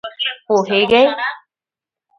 پوهېږې!